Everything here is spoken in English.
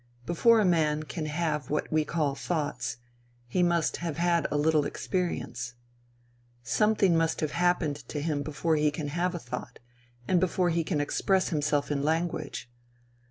Before a man can have what we call thoughts, he must have had a little experience. Something must have happened to him before he can have a thought, and before he can express himself in language.